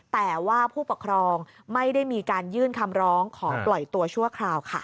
แต่ว่าผู้ปกครองไม่ได้มีการยื่นคำร้องขอปล่อยตัวชั่วคราวค่ะ